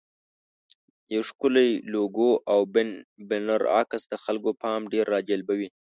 یو ښکلی لوګو او بنر عکس د خلکو پام ډېر راجلبوي.